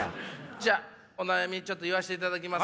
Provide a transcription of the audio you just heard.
じゃあお悩みちょっと言わしていただきます。